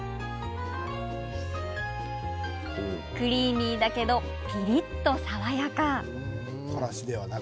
クリーミーだけどピリっと爽やか。